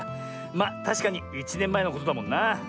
まあたしかに１ねんまえのことだもんな。